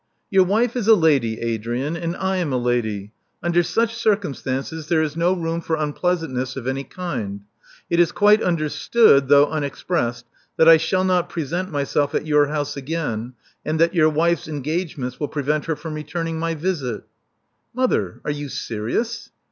"Your wife is a lady, Adrian; and I am a lady. Under such circumstances there is no room for unpleasantness of any kind. It is quite understood, though unexpressed, that I shall not present myself at your house again, and that your wife's engagements will prevent her from returning my visit." "Mother! Are you serious?"